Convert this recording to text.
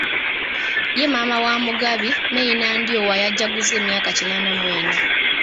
Ye maama wa Mugabi, Meyi Nandyowa yajaguzza emyaka kinaana mu ena.